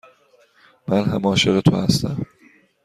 من هم عاشق تو هستم.